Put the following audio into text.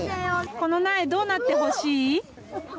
この苗、どうなってほしい。